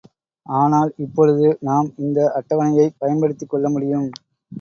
ஆனால், இப்பொழுது நாம் இந்த அட்டவணையைப் பயன்படுத்திக் கொள்ள முடியும்.